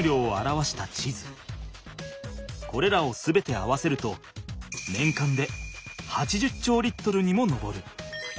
これらを全て合わせると年間で８０兆Ｌにも上る。